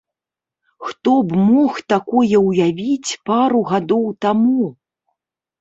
Хто б мог такое ўявіць пару гадоў таму?